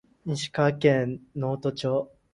石川県能登町